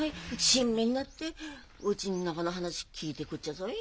親身になってうちん中の話聞いてくっちゃぞい。